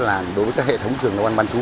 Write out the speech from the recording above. làm đối với các hệ thống trường noel bán chú